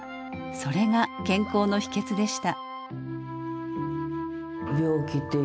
それが健康の秘けつでした。